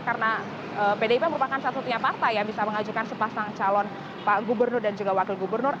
karena pdip merupakan satu satunya partai yang bisa mengajukan sepasang calon pak gubernur dan juga wakil gubernur